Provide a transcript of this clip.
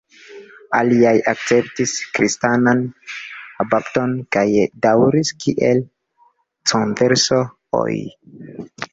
Aliaj akceptis kristanan bapton kaj daŭris kiel "converso"-oj.